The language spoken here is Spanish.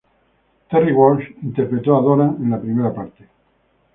Terry Walsh interpretó a Doran en la primera parte.